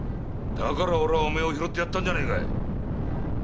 だから俺はお前を拾ってやったんじゃねえか。